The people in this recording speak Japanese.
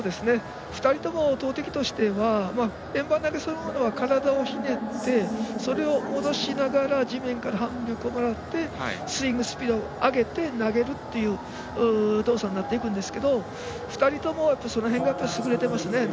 ２人とも投てきとしては円盤投げそのものは体をひねって、それを戻しながら地面から反動をもらってスイングスピードを上げて投げるという動作になってくるんですけど２人ともその辺が優れてますね。